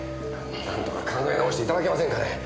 なんとか考え直して頂けませんかね？